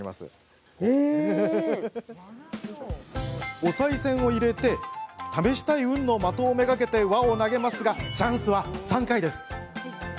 おさい銭を入れて試したい運の的を目がけて輪を投げますがチャンスは３回。